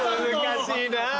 難しいな。